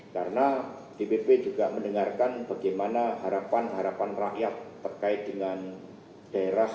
karena dpp juga mendengarkan bagaimana harapan harapan rakyat terkait dengan daerah